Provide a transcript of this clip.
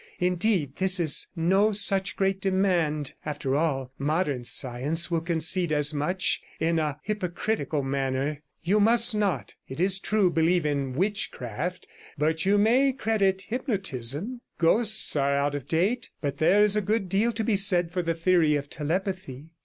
Indeed this is no such great demand. After all, modern science will concede as much, in a hypocritical manner; you must not, it is true, believe in witchcraft, but you may credit hypnotism; ghosts are out of date, but there is a good deal to be said for the theory of telepathy.